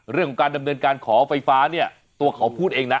เรื่องของการดำเนินการขอไฟฟ้าเนี่ยตัวเขาพูดเองนะ